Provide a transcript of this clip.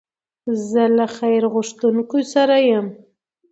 زه له خیر غوښتونکو سره یم.